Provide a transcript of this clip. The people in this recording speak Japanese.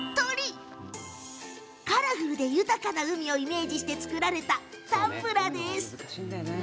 カラフルで豊かな海をイメージして作られたタンブラー。